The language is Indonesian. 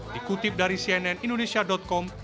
dikutip dari cnn indonesia com